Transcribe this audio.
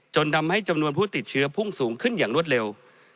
ทำให้จำนวนผู้ติดเชื้อพุ่งสูงขึ้นอย่างรวดเร็ว